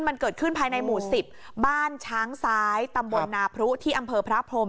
มันเกิดขึ้นภายในหมู่๑๐บ้านช้างซ้ายตำบลนาพรุที่อำเภอพระพรม